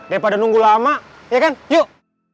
daripada nunggu lama ya kan yuk